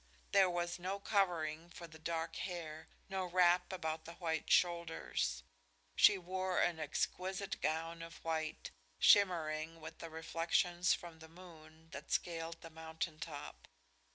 There was no covering for the dark hair, no wrap about the white shoulders. She wore an exquisite gown of white, shimmering with the reflections from the moon that scaled the mountain top.